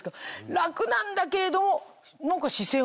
楽なんだけど。